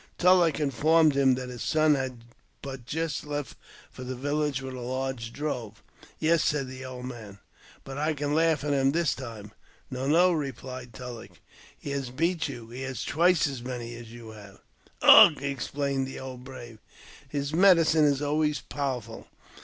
TuUeck informed him that his son had but just left for the village with a large drove. " Yes," said the old man, " but I can laugh at him this time." " No, no," replied TuUeck, '' he has beat you ; he has twice as many as you." JAMES P. BECKWOURTH. 293 " Ugh !" exclaimed the old brave ; "his medicine is always powerful."